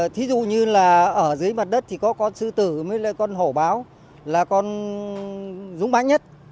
thí dụ như là ở dưới mặt đất thì có con sư tử với con hổ báo là con rúng mãng nhất